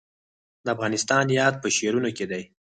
د افغانستان یاد په شعرونو کې دی